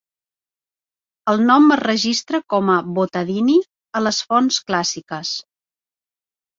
El nom es registra com a "Votadini" a les fonts clàssiques.